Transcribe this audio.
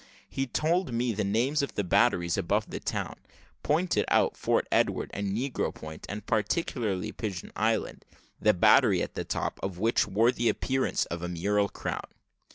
He told me the names of the batteries above the town, pointed out Fort Edward, and Negro Point, and particularly Pigeon Island, the battery at the top of which wore the appearance of a mural crown.